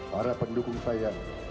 para pendukung saya